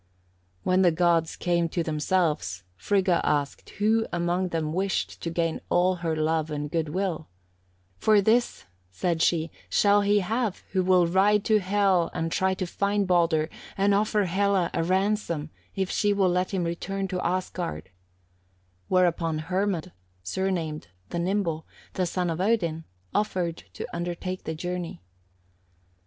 When the gods came to themselves, Frigga asked who among them wished to gain all her love and good will; 'For this,' said she, 'shall he have who will ride to Hel and try to find Baldur, and offer Hela a ransom if she will let him return to Asgard;' whereupon Hermod, surnamed the Nimble, the son of Odin, offered to undertake the journey.